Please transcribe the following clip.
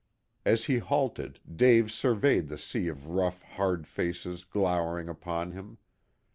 As he halted Dave surveyed the sea of rough, hard faces glowering upon him.